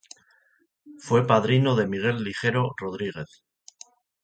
Fue padrino de Miguel Ligero Rodríguez.